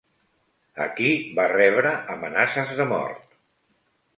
Aquí va rebre amenaces de mort.